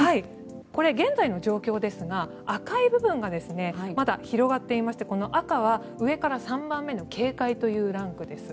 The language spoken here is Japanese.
これ、現在の状況ですが赤い部分がまだ広がっていましてこの赤は上から３番目の警戒というランクです。